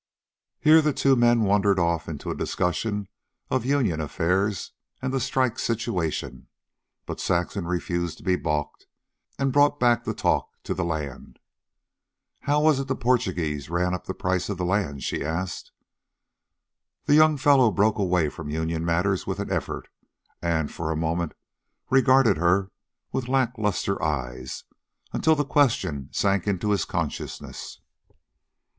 Here the two men wandered off into a discussion of union affairs and the strike situation; but Saxon refused to be balked, and brought back the talk to the land. "How was it the Portuguese ran up the price of land?" she asked. The young fellow broke away from union matters with an effort, and for a moment regarded her with lack luster eyes, until the question sank into his consciousness.